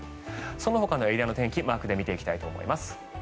そのほかのエリアの天気マークで見ていきたいと思います。